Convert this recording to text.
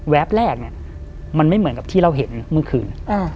แรกเนี่ยมันไม่เหมือนกับที่เราเห็นเมื่อคืน